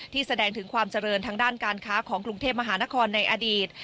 แสดงถึงความเจริญทางด้านการค้าของกรุงเทพมหานครในอดีต